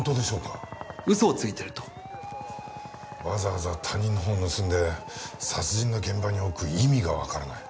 わざわざ他人の絵を盗んで殺人の現場に置く意味がわからない。